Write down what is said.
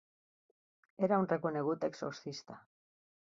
Era un reconegut exorcista.